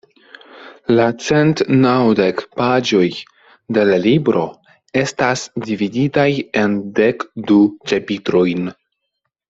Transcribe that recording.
La cent naŭdek paĝoj de la libro estas dividitaj en dek du ĉapitrojn.